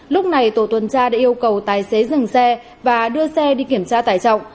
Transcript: lúc này tổ tuần tra đã yêu cầu tài xế dừng xe và đưa xe đi kiểm tra tải trọng